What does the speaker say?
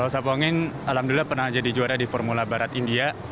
sapongin alhamdulillah pernah jadi juara di formula barat india